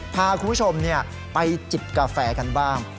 พาคุณผู้ชมไปจิบกาแฟกันบ้าง